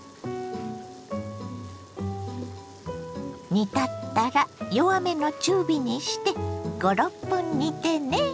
煮立ったら弱めの中火にして５６分煮てね。